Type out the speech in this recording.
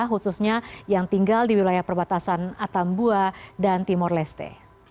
khususnya yang tinggal di wilayah perbatasan atambua dan timur leste